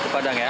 ke padang ya